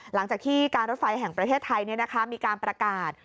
หลังจากที่การรถไฟแห่งประเทศไทยมีการประกาศ